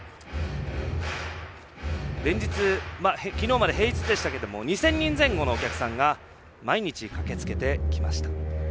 連日、昨日まで平日でしたけど２０００人前後のお客さんが毎日、駆けつけてきました。